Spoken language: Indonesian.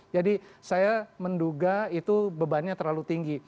jadi saya menduga itu bebannya terlalu tinggi